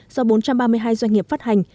do bốn trăm ba mươi hai doanh nghiệp phát hành